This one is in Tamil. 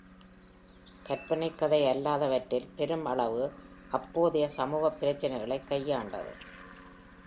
கற்பனைக்கதை அல்லாதவற்றில் பெரும் அளவு அப்போதைய சமூகப் பிரச்சினைகளைக் கையாண்டது.